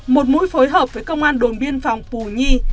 một mũi phối hợp với công an đồn biên phòng pù nhi